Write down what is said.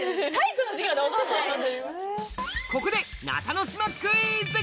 ここで中ノ島クイズ！